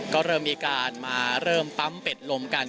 ก็เริ่มมีการมาเริ่มปั๊มเป็ดลมกัน